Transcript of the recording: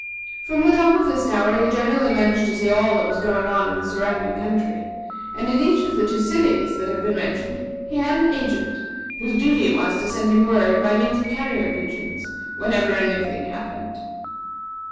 From the top of this tower he generally managed to see all that was going on in the surrounding country; and in each of the two cities that have been mentioned he had an agent, whose duty it was to send him word, by means of carrier pigeons, whenever a new thing happened.